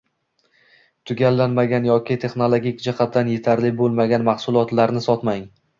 Tugallanmagan yoki texnologik jihatdan etarli bo'lmagan mahsulotlarni sotmang